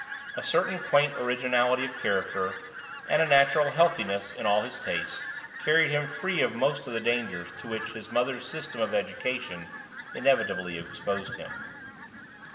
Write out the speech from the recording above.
A certain quaint originality of character, and a natural healthiness in all his tastes, carried him free of most of the dangers to which his mother's system of education inevitably exposed him.